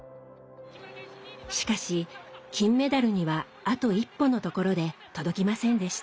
しかし金メダルにはあと一歩のところで届きませんでした。